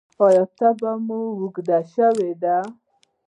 ایا تبه مو اوږده شوې ده؟